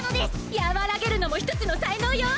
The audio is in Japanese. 和らげるのも１つの才能よ！